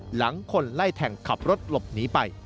หลังคนไล่แทงขับรถหลบหนีไป